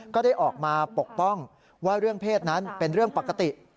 ก็ได้ออกมาปกป้องว่าเรื่องเพศนั้นเป็นเรื่องปกติ